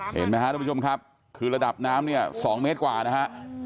เห็นไหมครับทุกผู้ชมครับคือระดับน้ำเนี่ย๒เมตรกว่านะฮะ